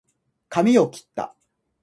かみをきった